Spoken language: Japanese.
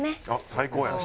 最高やん。